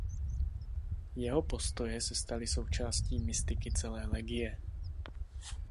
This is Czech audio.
Jeho postoje se staly součástí mystiky celé Legie.